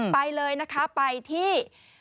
ไปเลยนะคะไปที่